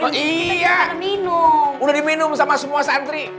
oh iya minum udah diminum sama semua santri